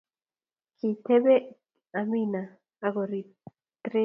Kitebee Amina ako ritrei